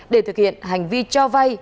để thực hiện hành vi cho vay